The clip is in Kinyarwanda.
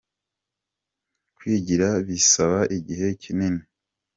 Kwigira bisaba igihe kinini.